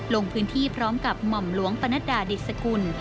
ลงพื้นที่พร้อมกับหม่อมหลวงปนัดดาดิสกุล